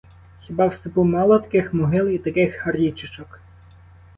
Хіба в степу мало таких могил і таких річечок!